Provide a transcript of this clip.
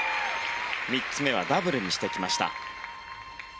３つ目はダブルにしてきました。